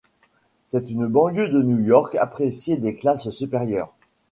C'est une banlieue de New York appréciée des classes supérieures.